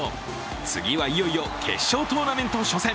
次は、いよいよ決勝トーナメント初戦。